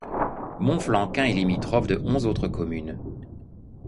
Monflanquin est limitrophe de onze autres communes.